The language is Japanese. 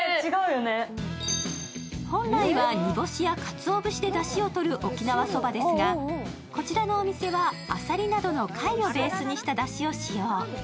本来は煮干しやかつお節でだしを取る沖縄ですが、こちらのお店はあさりなどの貝をベースにしただしを使用。